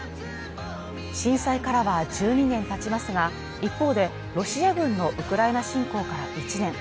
震災からは１２年経ちますが、一方でロシア軍のウクライナ侵攻から１年。